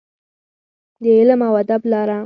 د علم او ادب لاره.